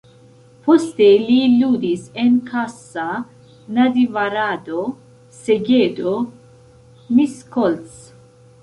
Poste li ludis en Kassa, Nadjvarado, Segedo, Miskolc.